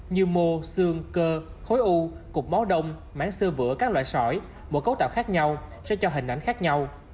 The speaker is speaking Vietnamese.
như mô xương cơ khối u cục máu đông máng sơ vữa các loại sỏi một cấu tạo khác nhau sẽ cho hình ảnh khác nhau